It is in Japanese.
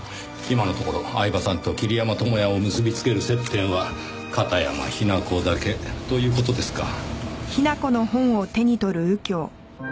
今のところ饗庭さんと桐山友哉を結び付ける接点は片山雛子だけという事ですか。